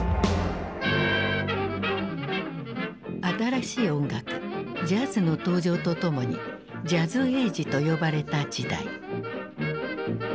新しい音楽ジャズの登場とともにジャズエイジと呼ばれた時代。